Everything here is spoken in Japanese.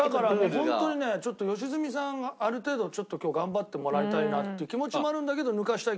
ホントにねちょっと良純さんがある程度ちょっと今日頑張ってもらいたいなっていう気持ちもあるんだけど抜かしたい気持ちもあるわけ。